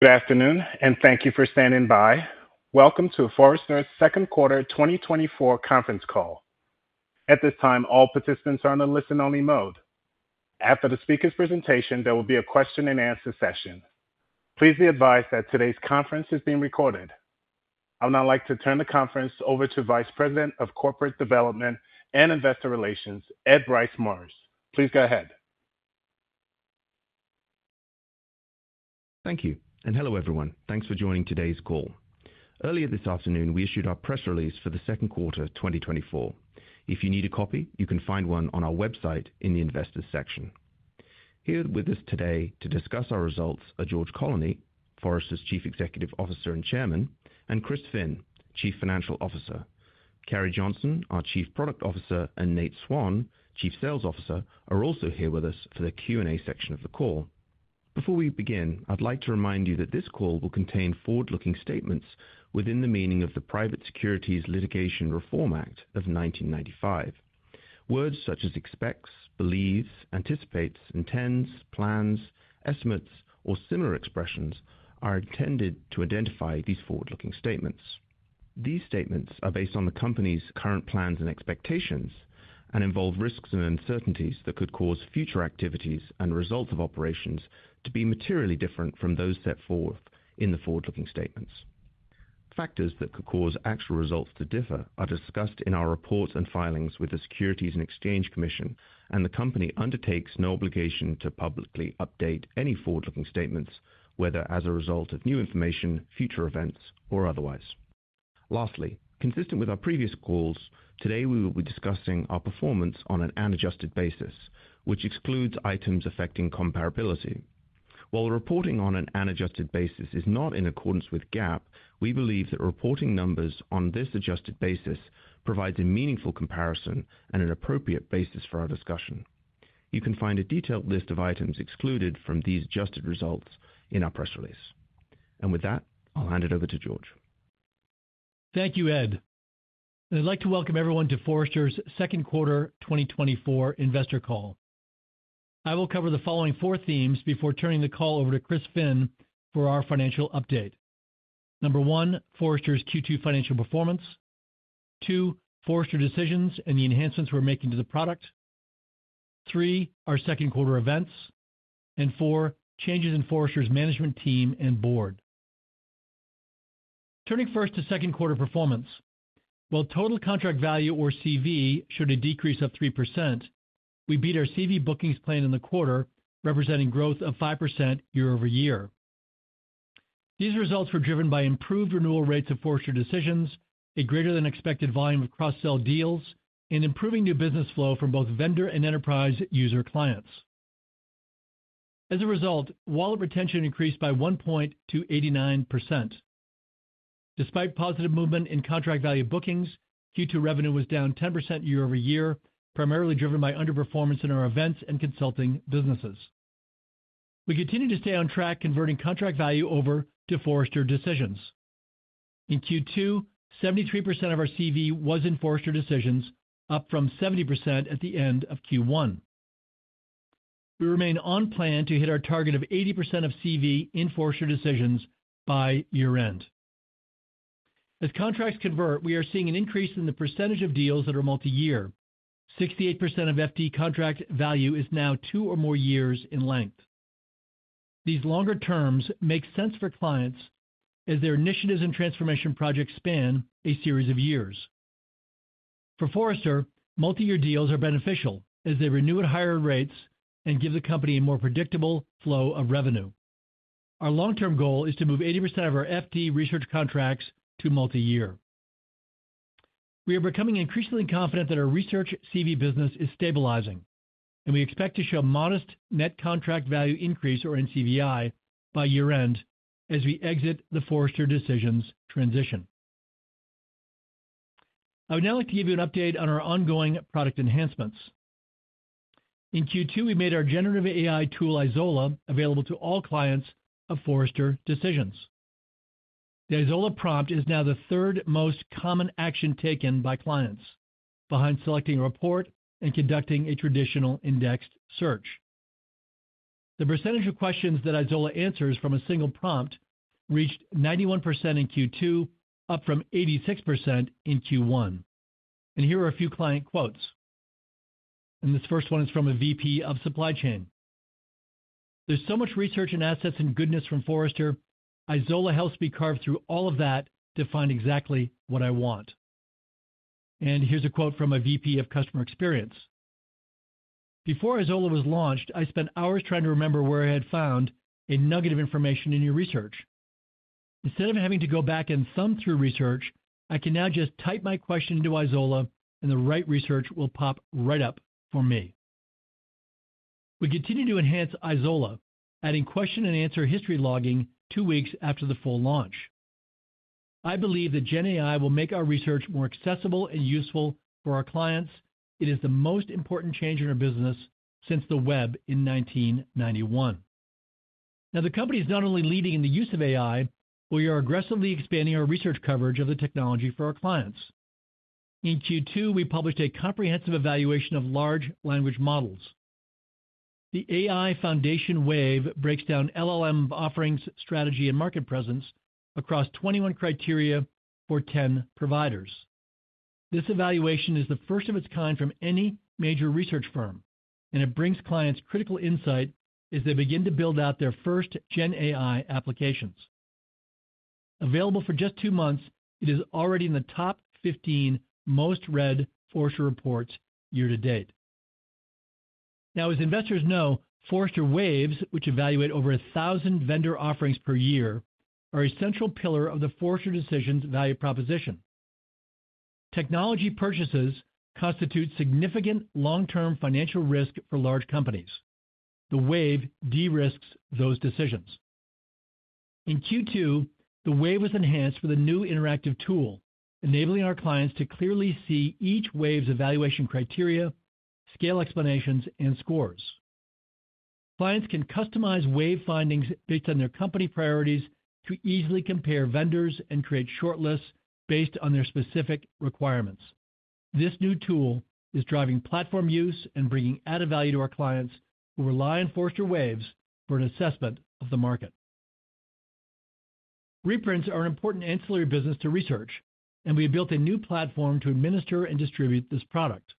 Good afternoon, and thank you for standing by. Welcome to Forrester's second quarter 2024 conference call. At this time, all participants are in the listen-only mode. After the speaker's presentation, there will be a question-and-answer session. Please be advised that today's conference is being recorded. I would now like to turn the conference over to Vice President of Corporate Development and Investor Relations, Ed Bryce Morris. Please go ahead. Thank you, and hello everyone. Thanks for joining today's call. Earlier this afternoon, we issued our press release for the second quarter 2024. If you need a copy, you can find one on our website in the Investors section. Here with us today to discuss our results are George Colony, Forrester's Chief Executive Officer and Chairman, and Chris Finn, Chief Financial Officer. Carrie Johnson, our Chief Product Officer, and Nate Swan, Chief Sales Officer, are also here with us for the Q&A section of the call. Before we begin, I'd like to remind you that this call will contain forward-looking statements within the meaning of the Private Securities Litigation Reform Act of 1995. Words such as expects, believes, anticipates, intends, plans, estimates, or similar expressions are intended to identify these forward-looking statements. These statements are based on the company's current plans and expectations and involve risks and uncertainties that could cause future activities and results of operations to be materially different from those set forth in the forward-looking statements. Factors that could cause actual results to differ are discussed in our reports and filings with the Securities and Exchange Commission, and the company undertakes no obligation to publicly update any forward-looking statements, whether as a result of new information, future events, or otherwise. Lastly, consistent with our previous calls, today we will be discussing our performance on an adjusted basis, which excludes items affecting comparability. While reporting on an adjusted basis is not in accordance with GAAP, we believe that reporting numbers on this adjusted basis provides a meaningful comparison and an appropriate basis for our discussion. You can find a detailed list of items excluded from these adjusted results in our press release. With that, I'll hand it over to George. Thank you, Ed. I'd like to welcome everyone to Forrester's second quarter 2024 investor call. I will cover the following four themes before turning the call over to Chris Finn for our financial update. Number one, Forrester's Q2 financial performance. Two, Forrester Decisions and the enhancements we're making to the product. Three, our second quarter events. And four, changes in Forrester's management team and board. Turning first to second quarter performance. While total contract value, or CV, showed a decrease of 3%, we beat our CV bookings plan in the quarter, representing growth of 5% year-over-year. These results were driven by improved renewal rates of Forrester Decisions, a greater-than-expected volume of cross-sell deals, and improving new business flow from both vendor and enterprise user clients. As a result, wallet retention increased by 1 point to 89%. Despite positive movement in contract value bookings, Q2 revenue was down 10% year-over-year, primarily driven by underperformance in our events and consulting businesses. We continue to stay on track, converting contract value over to Forrester Decisions. In Q2, 73% of our CV was in Forrester Decisions, up from 70% at the end of Q1. We remain on plan to hit our target of 80% of CV in Forrester Decisions by year-end. As contracts convert, we are seeing an increase in the percentage of deals that are multi-year. 68% of FD contract value is now two or more years in length. These longer terms make sense for clients as their initiatives and transformation projects span a series of years. For Forrester, multi-year deals are beneficial as they renew at higher rates and give the company a more predictable flow of revenue. Our long-term goal is to move 80% of our FD research contracts to multi-year. We are becoming increasingly confident that our research CV business is stabilizing, and we expect to show modest net contract value increase, or NCVI, by year-end as we exit the Forrester Decisions transition. I would now like to give you an update on our ongoing product enhancements. In Q2, we made our generative AI tool, Izola, available to all clients of Forrester Decisions. The Izola prompt is now the third most common action taken by clients, behind selecting a report and conducting a traditional indexed search. The percentage of questions that Izola answers from a single prompt reached 91% in Q2, up from 86% in Q1. Here are a few client quotes. This first one is from a VP of supply chain. "There's so much research and assets and goodness from Forrester. Izola helps me carve through all of that to find exactly what I want." And here's a quote from a VP of customer experience. "Before Izola was launched, I spent hours trying to remember where I had found a nugget of information in your research. Instead of having to go back and thumb through research, I can now just type my question into Izola, and the right research will pop right up for me." We continue to enhance Izola, adding question and answer history logging two weeks after the full launch. "I believe that GenAI will make our research more accessible and useful for our clients. It is the most important change in our business since the web in 1991." Now, the company is not only leading in the use of AI, but we are aggressively expanding our research coverage of the technology for our clients. In Q2, we published a comprehensive evaluation of large language models. The AI Foundation Wave breaks down LLM offerings, strategy, and market presence across 21 criteria for 10 providers. This evaluation is the first of its kind from any major research firm, and it brings clients critical insight as they begin to build out their first GenAI applications. Available for just 2 months, it is already in the top 15 most-read Forrester reports year-to-date. Now, as investors know, Forrester Waves, which evaluate over 1,000 vendor offerings per year, are a central pillar of the Forrester Decisions value proposition. Technology purchases constitute significant long-term financial risk for large companies. The Wave de-risks those decisions. In Q2, the Wave was enhanced for the new interactive tool, enabling our clients to clearly see each Wave's evaluation criteria, scale explanations, and scores. Clients can customize Wave findings based on their company priorities to easily compare vendors and create shortlists based on their specific requirements. This new tool is driving platform use and bringing added value to our clients who rely on Forrester Wave for an assessment of the market. Reprints are an important ancillary business to research, and we have built a new platform to administer and distribute this product.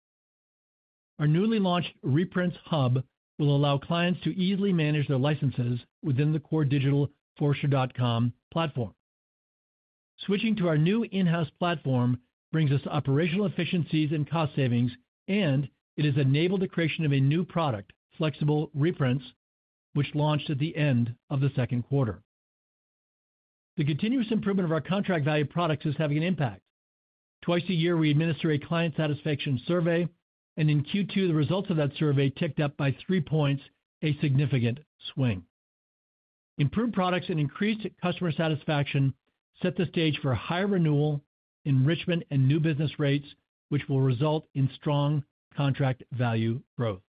Our newly launched Reprints Hub will allow clients to easily manage their licenses within the core digital Forrester.com platform. Switching to our new in-house platform brings us operational efficiencies and cost savings, and it has enabled the creation of a new product, Flexible Reprints, which launched at the end of the second quarter. The continuous improvement of our contract value products is having an impact. Twice a year, we administer a client satisfaction survey, and in Q2, the results of that survey ticked up by three points, a significant swing. Improved products and increased customer satisfaction set the stage for higher renewal, enrichment, and new business rates, which will result in strong contract value growth.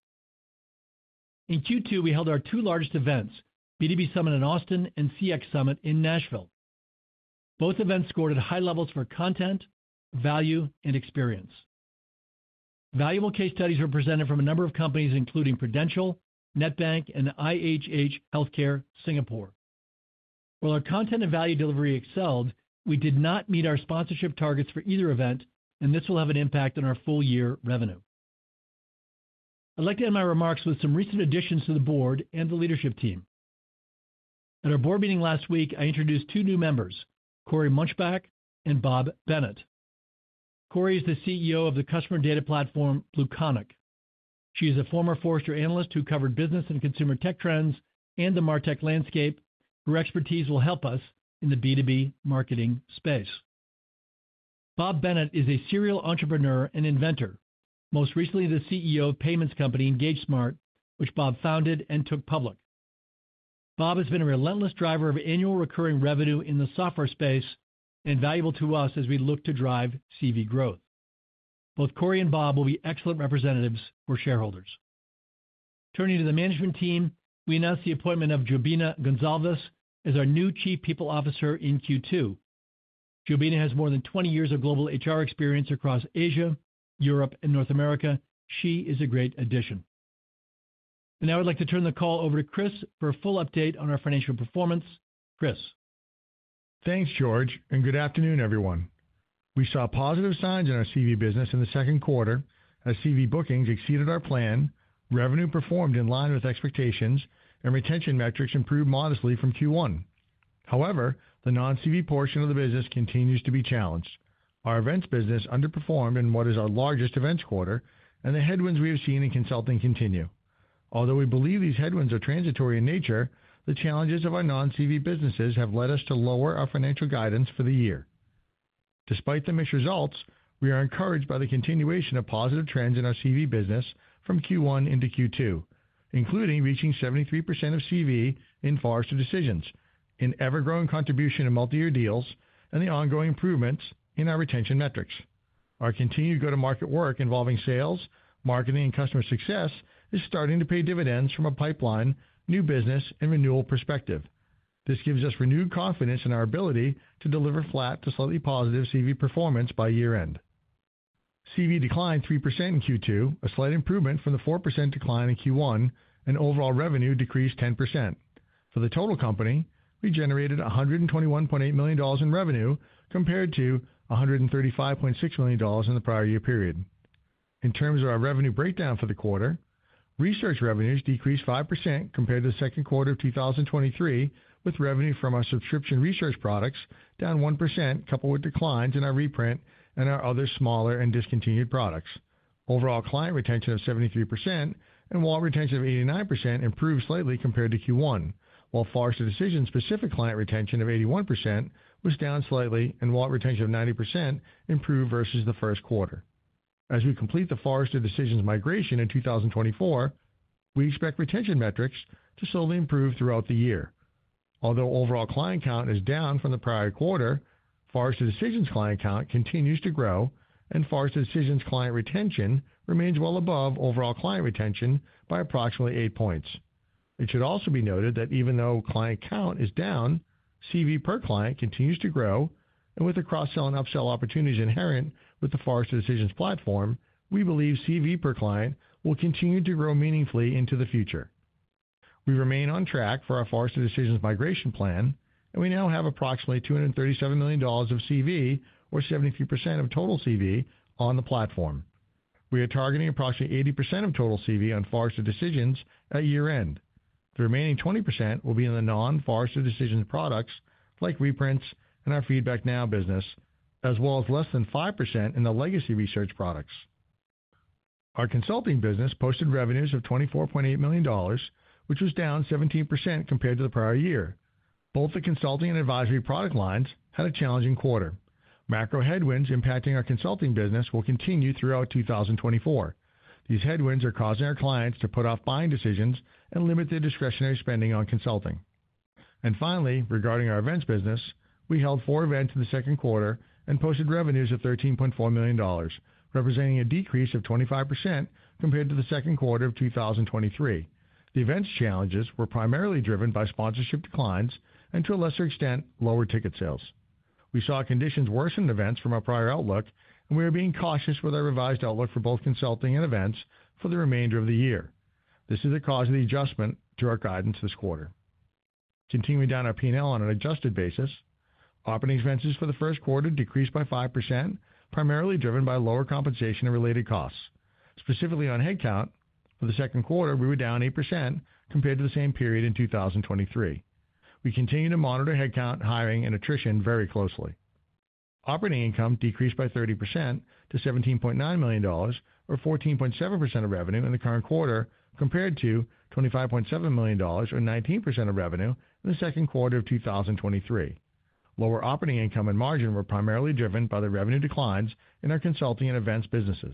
In Q2, we held our two largest events, B2B Summit in Austin and CX Summit in Nashville. Both events scored at high levels for content, value, and experience. Valuable case studies were presented from a number of companies, including Prudential, Nedbank, and IHH Healthcare Singapore. While our content and value delivery excelled, we did not meet our sponsorship targets for either event, and this will have an impact on our full-year revenue. I'd like to end my remarks with some recent additions to the board and the leadership team. At our board meeting last week, I introduced two new members, Cory Munchbach and Bob Bennett. Cory is the CEO of the customer data platform, BlueConic. She is a former Forrester analyst who covered business and consumer tech trends and the martech landscape. Her expertise will help us in the B2B marketing space. Bob Bennett is a serial entrepreneur and inventor, most recently the CEO of payments company EngageSmart, which Bob founded and took public. Bob has been a relentless driver of annual recurring revenue in the software space and valuable to us as we look to drive CV growth. Both Cory and Bob will be excellent representatives for shareholders. Turning to the management team, we announced the appointment of Jobina Gonsalves as our new Chief People Officer in Q2. Jobina has more than 20 years of global HR experience across Asia, Europe, and North America. She is a great addition. Now I'd like to turn the call over to Chris for a full update on our financial performance. Chris. Thanks, George, and good afternoon, everyone. We saw positive signs in our CV business in the second quarter as CV bookings exceeded our plan, revenue performed in line with expectations, and retention metrics improved modestly from Q1. However, the non-CV portion of the business continues to be challenged. Our events business underperformed in what is our largest events quarter, and the headwinds we have seen in consulting continue. Although we believe these headwinds are transitory in nature, the challenges of our non-CV businesses have led us to lower our financial guidance for the year. Despite the mixed results, we are encouraged by the continuation of positive trends in our CV business from Q1 into Q2, including reaching 73% of CV in Forrester Decisions, an ever-growing contribution in multi-year deals, and the ongoing improvements in our retention metrics. Our continued go-to-market work involving sales, marketing, and customer success is starting to pay dividends from a pipeline, new business, and renewal perspective. This gives us renewed confidence in our ability to deliver flat to slightly positive CV performance by year-end. CV declined 3% in Q2, a slight improvement from the 4% decline in Q1, and overall revenue decreased 10%. For the total company, we generated $121.8 million in revenue compared to $135.6 million in the prior year period. In terms of our revenue breakdown for the quarter, research revenues decreased 5% compared to the second quarter of 2023, with revenue from our subscription research products down 1%, coupled with declines in our reprint and our other smaller and discontinued products. Overall client retention of 73% and wallet retention of 89% improved slightly compared to Q1, while Forrester Decisions-specific client retention of 81% was down slightly, and wallet retention of 90% improved versus the first quarter. As we complete the Forrester Decisions migration in 2024, we expect retention metrics to slowly improve throughout the year. Although overall client count is down from the prior quarter, Forrester Decisions client count continues to grow, and Forrester Decisions client retention remains well above overall client retention by approximately eight points. It should also be noted that even though client count is down, CV per client continues to grow, and with the cross-sell and upsell opportunities inherent with the Forrester Decisions platform, we believe CV per client will continue to grow meaningfully into the future. We remain on track for our Forrester Decisions migration plan, and we now have approximately $237 million of CV, or 73% of total CV, on the platform. We are targeting approximately 80% of total CV on Forrester Decisions at year-end. The remaining 20% will be in the non-Forrester Decisions products like reprints and our FeedbackNow business, as well as less than 5% in the legacy research products. Our consulting business posted revenues of $24.8 million, which was down 17% compared to the prior year. Both the consulting and advisory product lines had a challenging quarter. Macro headwinds impacting our consulting business will continue throughout 2024. These headwinds are causing our clients to put off buying decisions and limit their discretionary spending on consulting. Finally, regarding our events business, we held four events in the second quarter and posted revenues of $13.4 million, representing a decrease of 25% compared to the second quarter of 2023. The events challenges were primarily driven by sponsorship declines and, to a lesser extent, lower ticket sales. We saw conditions worsened events from our prior outlook, and we are being cautious with our revised outlook for both consulting and events for the remainder of the year. This is the cause of the adjustment to our guidance this quarter. Continuing down our P&L on an adjusted basis, operating expenses for the first quarter decreased by 5%, primarily driven by lower compensation and related costs. Specifically on headcount, for the second quarter, we were down 8% compared to the same period in 2023. We continue to monitor headcount, hiring, and attrition very closely. Operating income decreased by 30% to $17.9 million, or 14.7% of revenue in the current quarter, compared to $25.7 million, or 19% of revenue in the second quarter of 2023. Lower operating income and margin were primarily driven by the revenue declines in our consulting and events businesses.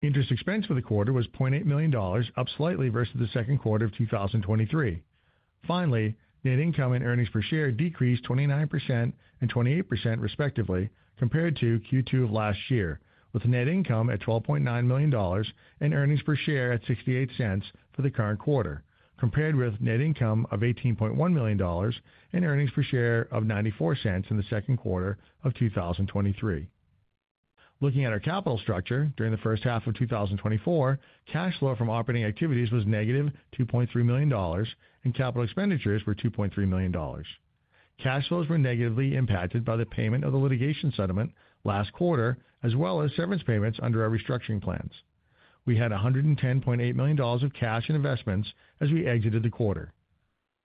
Interest expense for the quarter was $0.8 million, up slightly versus the second quarter of 2023. Finally, net income and earnings per share decreased 29% and 28%, respectively, compared to Q2 of last year, with net income at $12.9 million and earnings per share at $0.68 for the current quarter, compared with net income of $18.1 million and earnings per share of $0.94 in the second quarter of 2023. Looking at our capital structure during the first half of 2024, cash flow from operating activities was -$2.3 million, and capital expenditures were $2.3 million. Cash flows were negatively impacted by the payment of the litigation settlement last quarter, as well as severance payments under our restructuring plans. We had $110.8 million of cash and investments as we exited the quarter.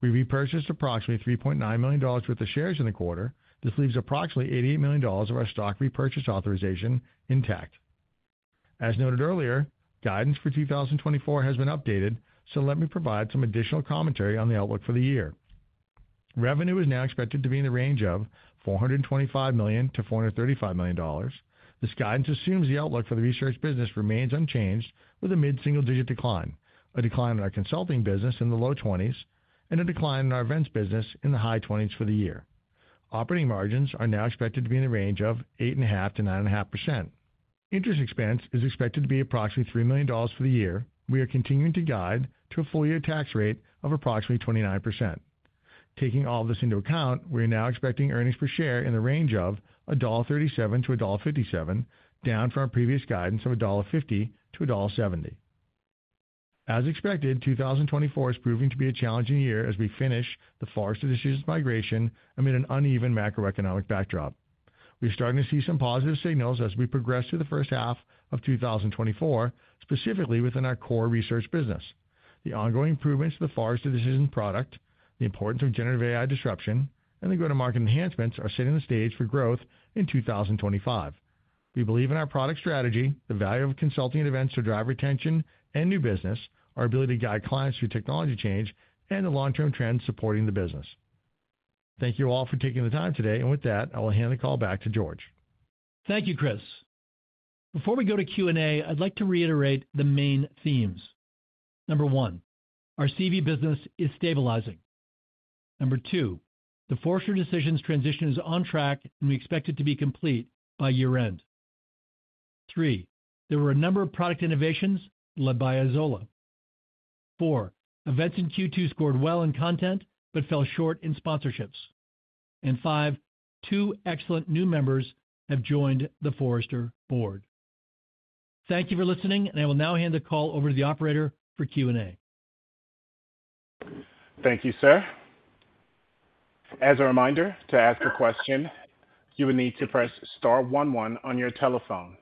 We repurchased approximately $3.9 million worth of shares in the quarter. This leaves approximately $88 million of our stock repurchase authorization intact. As noted earlier, guidance for 2024 has been updated, so let me provide some additional commentary on the outlook for the year. Revenue is now expected to be in the range of $425 million-$435 million. This guidance assumes the outlook for the research business remains unchanged, with a mid-single-digit decline, a decline in our consulting business in the low 20s, and a decline in our events business in the high 20s for the year. Operating margins are now expected to be in the range of 8.5%-9.5%. Interest expense is expected to be approximately $3 million for the year. We are continuing to guide to a full-year tax rate of approximately 29%. Taking all of this into account, we are now expecting earnings per share in the range of $1.37-$1.57, down from our previous guidance of $1.50-$1.70. As expected, 2024 is proving to be a challenging year as we finish the Forrester Decisions migration amid an uneven macroeconomic backdrop. We are starting to see some positive signals as we progress through the first half of 2024, specifically within our core research business. The ongoing improvements to the Forrester Decisions product, the importance of generative AI disruption, and the go-to-market enhancements are setting the stage for growth in 2025. We believe in our product strategy, the value of consulting and events to drive retention and new business, our ability to guide clients through technology change, and the long-term trends supporting the business. Thank you all for taking the time today. With that, I will hand the call back to George. Thank you, Chris. Before we go to Q&A, I'd like to reiterate the main themes. Number one, our CV business is stabilizing. Number two, the Forrester Decisions transition is on track, and we expect it to be complete by year-end. Three, there were a number of product innovations led by Izola. Four, events in Q2 scored well in content but fell short in sponsorships. And five, two excellent new members have joined the Forrester board. Thank you for listening, and I will now hand the call over to the operator for Q&A. Thank you, sir. As a reminder, to ask a question, you would need to press * 11 on your telephone.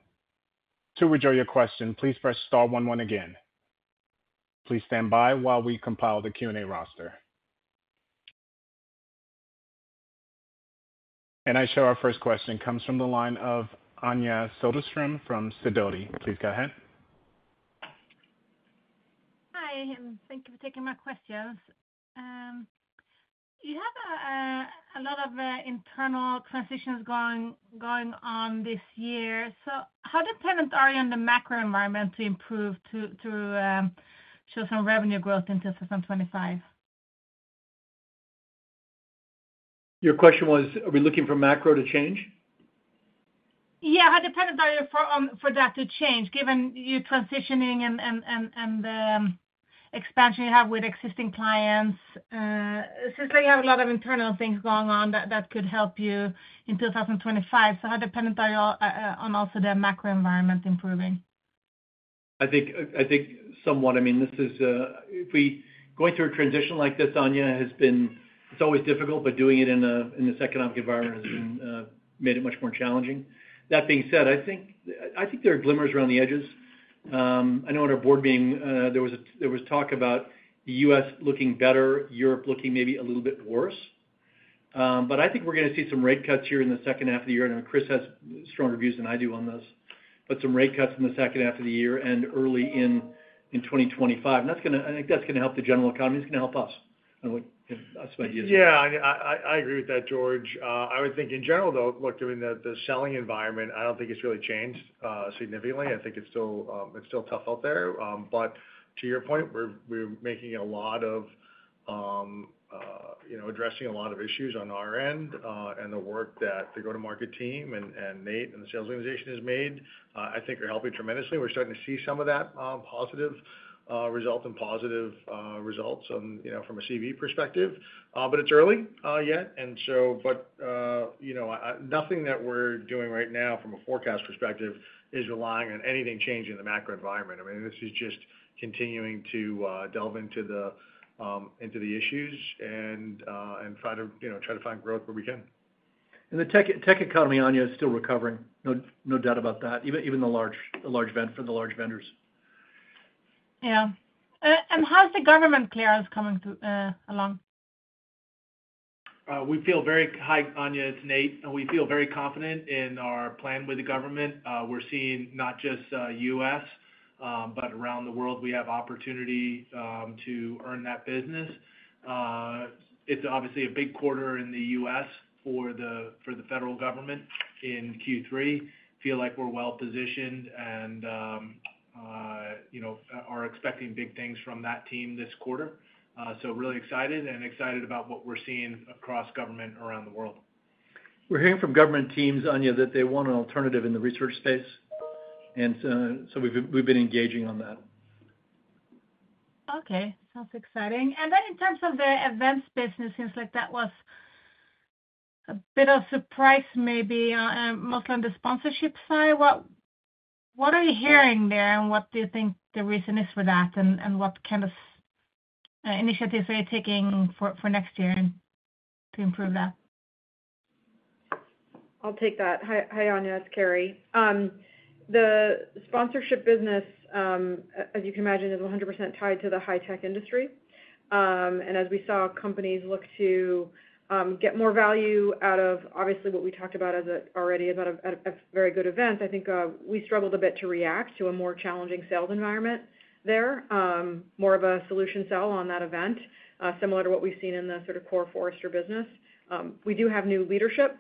To rejoin your question, please press * 11 again. Please stand by while we compile the Q&A roster. I show our first question comes from the line of Anja Soderstrom from Sidoti. Please go ahead. Hi, and thank you for taking my questions. You have a lot of internal transitions going on this year. So how dependent are you on the macro environment to improve, to show some revenue growth into 2025? Your question was, are we looking for macro to change? Yeah. How dependent are you for that to change, given your transitioning and expansion you have with existing clients? It seems like you have a lot of internal things going on that could help you in 2025. So how dependent are you on also the macro environment improving? I think somewhat, I mean, this is going through a transition like this, Anja, has been. It's always difficult, but doing it in this economic environment has made it much more challenging. That being said, I think there are glimmers around the edges. I know on our board meeting, there was talk about the U.S. looking better, Europe looking maybe a little bit worse. But I think we're going to see some rate cuts here in the second half of the year. I know Chris has stronger views than I do on this, but some rate cuts in the second half of the year and early in 2025. And I think that's going to help the general economy. It's going to help us. I don't know if that's my views. Yeah, I agree with that, George. I would think, in general, though, look, I mean, the selling environment, I don't think it's really changed significantly. I think it's still tough out there. But to your point, we're making a lot of, addressing a lot of issues on our end. And the work that the go-to-market team and Nate and the sales organization have made, I think, are helping tremendously. We're starting to see some of that positive result and positive results from a CV perspective. But it's early yet. And so, but nothing that we're doing right now from a forecast perspective is relying on anything changing the macro environment. I mean, this is just continuing to delve into the issues and try to find growth where we can. The tech economy, Anja, is still recovering. No doubt about that, even the large spend for the large vendors. Yeah. And how's the government clearance coming along? We feel very high, Anja, it's Nate. We feel very confident in our plan with the government. We're seeing not just U.S., but around the world, we have opportunity to earn that business. It's obviously a big quarter in the U.S. for the federal government in Q3. I feel like we're well positioned and are expecting big things from that team this quarter. So really excited and excited about what we're seeing across government around the world. We're hearing from government teams, Anja, that they want an alternative in the research space. And so we've been engaging on that. Okay. Sounds exciting. And then in terms of the events business, it seems like that was a bit of a surprise maybe, mostly on the sponsorship side. What are you hearing there and what do you think the reason is for that and what kind of initiatives are you taking for next year to improve that? I'll take that. Hi, Anja. It's Carrie. The sponsorship business, as you can imagine, is 100% tied to the high-tech industry. And as we saw companies look to get more value out of, obviously, what we talked about already about a very good event, I think we struggled a bit to react to a more challenging sales environment there, more of a solution sell on that event, similar to what we've seen in the sort of core Forrester business. We do have new leadership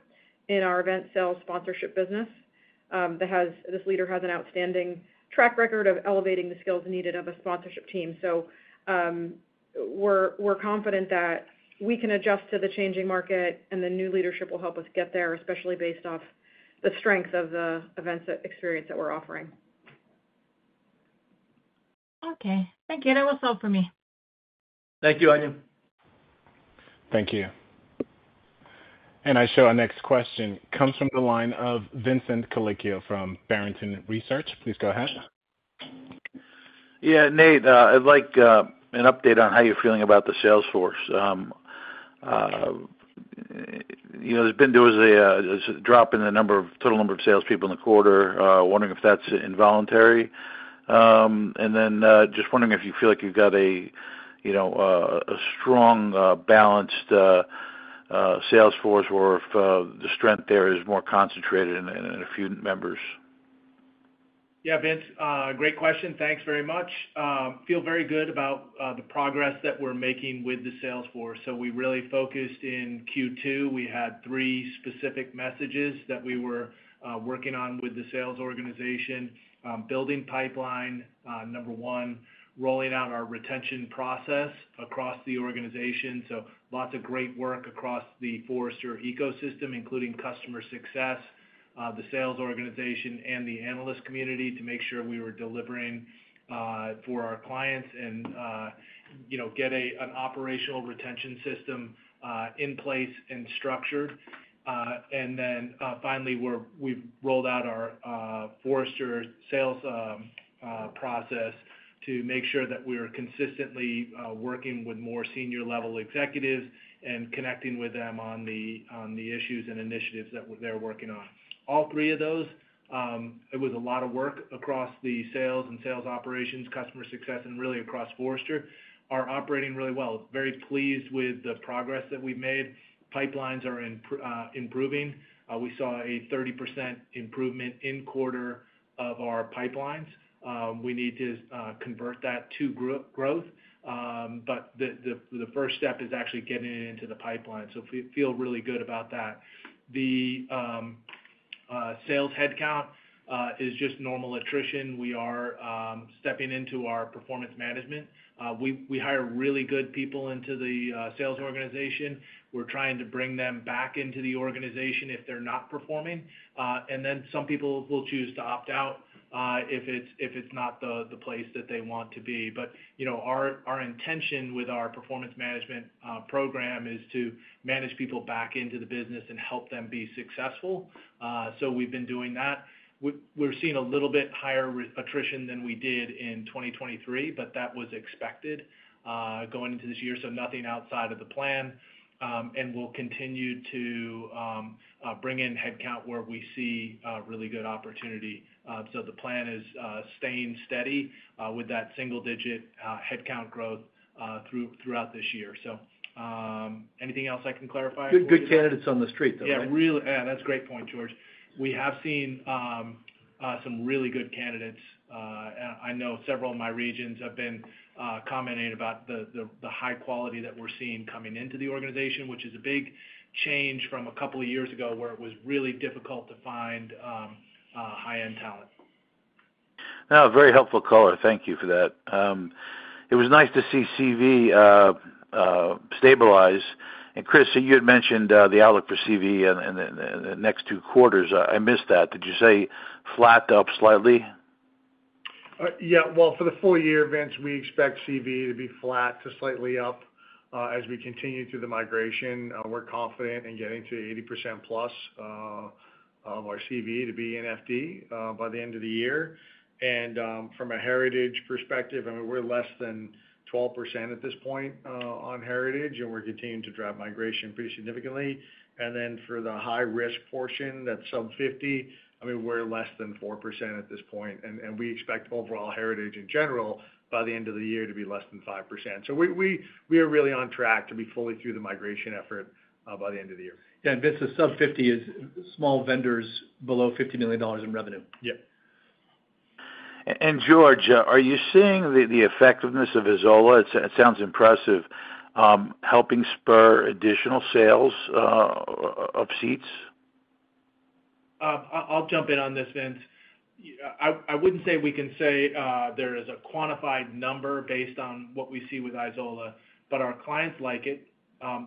in our event sales sponsorship business. This leader has an outstanding track record of elevating the skills needed of a sponsorship team. So we're confident that we can adjust to the changing market, and the new leadership will help us get there, especially based off the strength of the events experience that we're offering. Okay. Thank you. That was all for me. Thank you, Anja. Thank you. Our next question comes from the line of Vincent Colicchio from Barrington Research. Please go ahead. Yeah, Nate. I'd like an update on how you're feeling about the sales force. There's been, there was a drop in the total number of salespeople in the quarter. Wondering if that's involuntary. And then just wondering if you feel like you've got a strong, balanced sales force or if the strength there is more concentrated in a few members. Yeah, Vince, great question. Thanks very much. I feel very good about the progress that we're making with the sales force. So we really focused in Q2. We had three specific messages that we were working on with the sales organization: building pipeline, number one, rolling out our retention process across the organization. So lots of great work across the Forrester ecosystem, including customer success, the sales organization, and the analyst community to make sure we were delivering for our clients and get an operational retention system in place and structured. And then finally, we've rolled out our Forrester sales process to make sure that we are consistently working with more senior-level executives and connecting with them on the issues and initiatives that they're working on. All three of those, it was a lot of work across the sales and sales operations, customer success, and really across Forrester. Are operating really well. Very pleased with the progress that we've made. Pipelines are improving. We saw a 30% improvement in quarter of our pipelines. We need to convert that to growth. But the first step is actually getting it into the pipeline. So feel really good about that. The sales headcount is just normal attrition. We are stepping into our performance management. We hire really good people into the sales organization. We're trying to bring them back into the organization if they're not performing. And then some people will choose to opt out if it's not the place that they want to be. But our intention with our performance management program is to manage people back into the business and help them be successful. So we've been doing that. We're seeing a little bit higher attrition than we did in 2023, but that was expected going into this year. Nothing outside of the plan. We'll continue to bring in headcount where we see really good opportunity. The plan is staying steady with that single-digit headcount growth throughout this year. Anything else I can clarify? Good candidates on the street, though. Yeah, really. Yeah, that's a great point, George. We have seen some really good candidates. I know several of my regions have been commenting about the high quality that we're seeing coming into the organization, which is a big change from a couple of years ago where it was really difficult to find high-end talent. Oh, very helpful color. Thank you for that. It was nice to see CV stabilize. Chris, you had mentioned the outlook for CV in the next two quarters. I missed that. Did you say flat up slightly? Yeah. Well, for the full-year events, we expect CV to be flat to slightly up as we continue through the migration. We're confident in getting to 80%+ of our CV to be in FD by the end of the year. And from a heritage perspective, I mean, we're less than 12% at this point on heritage, and we're continuing to drive migration pretty significantly. And then for the high-risk portion, that sub-50, I mean, we're less than 4% at this point. And we expect overall heritage in general by the end of the year to be less than 5%. So we are really on track to be fully through the migration effort by the end of the year. Yeah. And this is sub-50 is small vendors below $50 million in revenue. Yeah. And George, are you seeing the effectiveness of Izola? It sounds impressive, helping spur additional sales of seats. I'll jump in on this, Vince. I wouldn't say we can say there is a quantified number based on what we see with Izola, but our clients like it.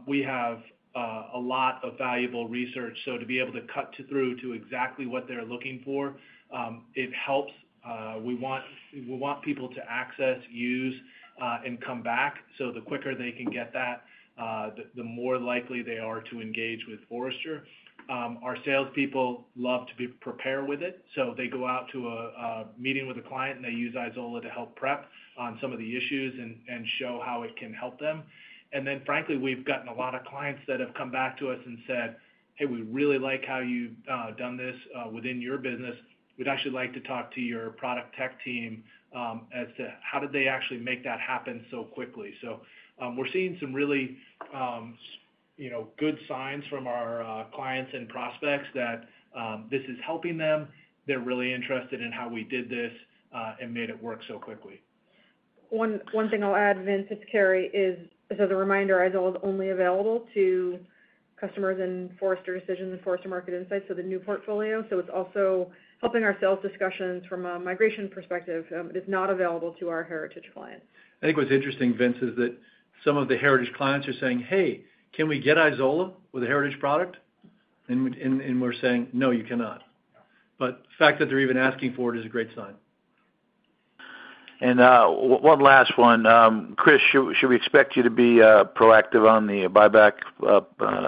We have a lot of valuable research. So to be able to cut through to exactly what they're looking for, it helps. We want people to access, use, and come back. So the quicker they can get that, the more likely they are to engage with Forrester. Our salespeople love to prepare with it. So they go out to a meeting with a client, and they use Izola to help prep on some of the issues and show how it can help them. And then, frankly, we've gotten a lot of clients that have come back to us and said, "Hey, we really like how you've done this within your business. We'd actually like to talk to your product tech team as to how did they actually make that happen so quickly?" So we're seeing some really good signs from our clients and prospects that this is helping them. They're really interested in how we did this and made it work so quickly. One thing I'll add, Vince, it's Carrie, is as a reminder, Izola is only available to customers in Forrester Decisions and Forrester Market Insights, so the new portfolio. So it's also helping our sales discussions from a migration perspective. It is not available to our heritage clients. I think what's interesting, Vince, is that some of the heritage clients are saying, "Hey, can we get Izola with a heritage product?" And we're saying, "No, you cannot." But the fact that they're even asking for it is a great sign. One last one. Chris, should we expect you to be proactive on the buyback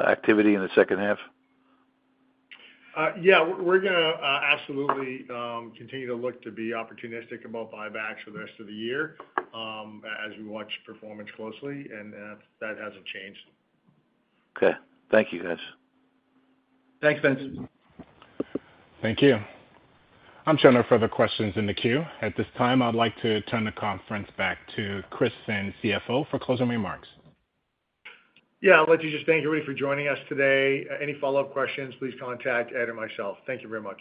activity in the second half? Yeah. We're going to absolutely continue to look to be opportunistic about buybacks for the rest of the year as we watch performance closely. That hasn't changed. Okay. Thank you, guys. Thanks, Vince. Thank you. I'm showing no further questions in the queue. At this time, I'd like to turn the conference back to Chris Finn, CFO, for closing remarks. Yeah. I'll let you just thank everybody for joining us today. Any follow-up questions, please contact Ed and myself. Thank you very much.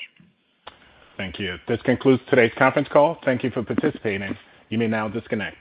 Thank you. This concludes today's conference call. Thank you for participating. You may now disconnect.